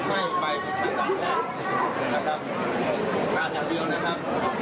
ไม่ไปพิชภาษาครับครับงานอย่างเดียวนะครับ